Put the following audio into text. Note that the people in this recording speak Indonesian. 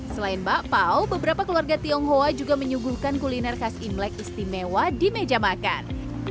selain bakpao beberapa keluarga tionghoa juga menyuguhkan kuliner khas imlek istimewa di meja makan